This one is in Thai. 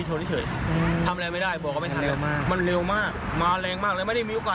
เช่นกันรบหัวหน้า